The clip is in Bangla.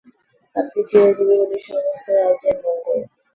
আপনি চিরজীবী হইলে সমস্ত রাজ্যের মঙ্গল।